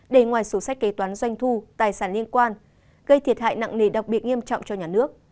để ngoài sổ sách kế toán doanh thu tài sản liên quan gây thiệt hại nặng nề đặc biệt nghiêm trọng cho nhà nước